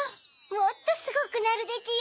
もっとすごくなるでちゅよ。